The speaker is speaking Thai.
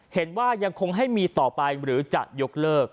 ยังคงให้มีต่อไปหรือจะยกเลิก